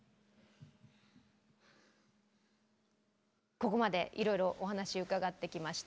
ここまでいろいろお話伺ってきました。